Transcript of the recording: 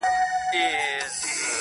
چي د عقل فکر لاس پکښي تړلی!!